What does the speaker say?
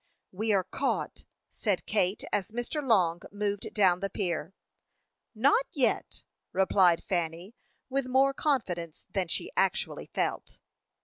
"We are caught," said Kate, as Mr. Long moved down the pier. "Not yet," replied Fanny, with more confidence than she actually felt.